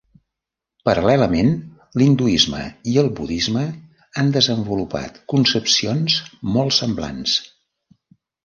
Paral·lelament l'hinduisme i el budisme han desenvolupat concepcions molt semblants.